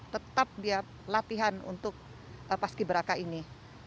tetap dia latihan untuk paskiberaka ini